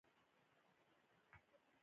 ماشوم مو غاښونه وباسي؟